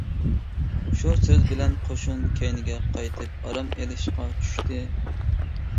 شۇ سۆز بىلەن قوشۇن كەينىگە قايتىپ ئارام ئېلىشقا چۈشتى.